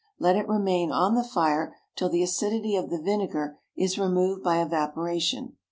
Let it remain on the fire till the acidity of the vinegar is removed by evaporation.